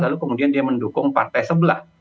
lalu kemudian dia mendukung partai sebelah